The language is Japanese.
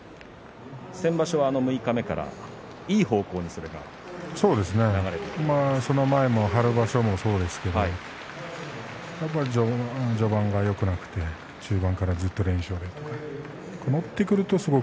先場所は六日目からいい方向にそれがその前の春場所もそうですしやっぱり序盤がよくなくて中盤からずっと連勝でいくとか。